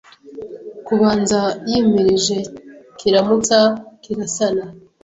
Kabanza yimirije Kiramutsa kirasana